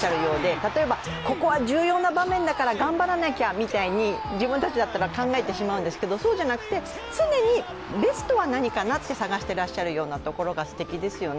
例えば、ここは重要な場面だから頑張らなきゃみたいに自分たちだったら考えてしまうんですけれどもそうじゃなくて常にベストは何か探していらっしゃるところがすてきですよね。